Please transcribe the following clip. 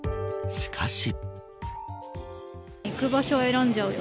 しかし。